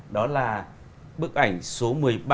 đó là bức ảnh số một mươi ba